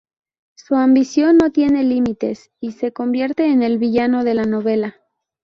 Su ambición no tiene límites y se convierte en el villano de la novela.